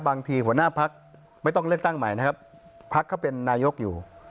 หัวหน้าพักไม่ต้องเลือกตั้งใหม่นะครับพักเขาเป็นนายกอยู่